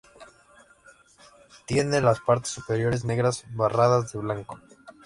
Tiene las partes superiores negras barradas de blanco.